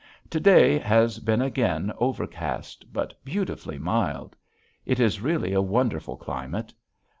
To day has been again overcast but beautifully mild. It is really a wonderful climate.